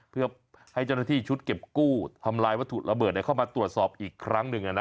เพื่อให้เจ้าหน้าที่ชุดเก็บกู้ทำลายวัตถุระเบิดเข้ามาตรวจสอบอีกครั้งหนึ่ง